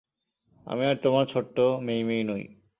আমি আর তোমার ছোট্ট মেই-মেই নই!